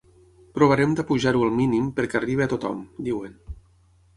“Provarem d’apujar-ho al mínim perquè arribi a tothom”, diuen.